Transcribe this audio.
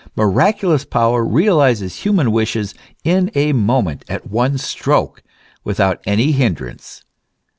Miraculous power realizes human wishes in a moment, at one stroke, without any hindrance.